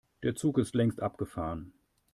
Der Zug ist längst abgefahren.